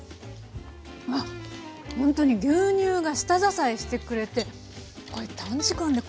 あっほんとに牛乳が下支えしてくれて短時間で